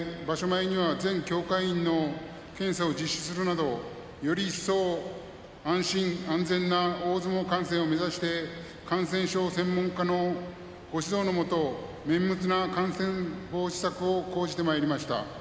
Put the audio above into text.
前には全協会員の検査を実施するなどより一層、安心安全な大相撲観戦を目指して感染症専門家のご指導のもと綿密な感染防止策を講じてまいりました。